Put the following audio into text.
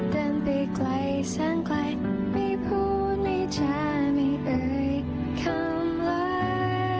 เดินไปไกลสั้นไกลไม่พูดไม่จ้าไม่เอ่ยคำลักษณ์